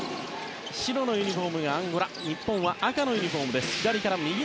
白のユニホームがアンゴラで日本は赤のユニホーム。